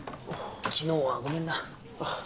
昨日はごめんな。